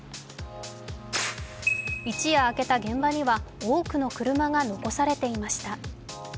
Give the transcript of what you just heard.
一夜明けた現場には多くの車が残されていました。